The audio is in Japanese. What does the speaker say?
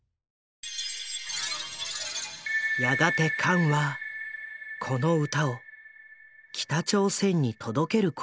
やがてカンはこの歌を北朝鮮に届けることになる。